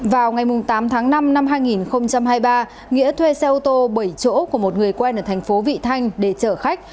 vào ngày tám tháng năm năm hai nghìn hai mươi ba nghĩa thuê xe ô tô bảy chỗ của một người quen ở thành phố vị thanh để chở khách